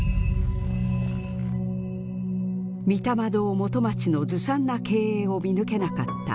御霊堂元町のずさんな経営を見抜けなかった札幌市。